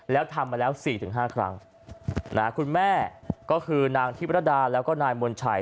แล้วทำมาแล้วสี่ถึงห้าครั้งนะคุณแม่ก็คือนางธิปรดาแล้วก็นายมนต์ชัย